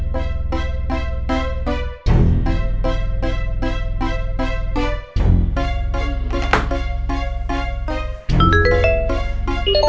bener bener mahakasih kalian